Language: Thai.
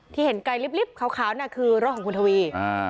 ที่เห็นไกลลิบขาวคือรถของคุณทวี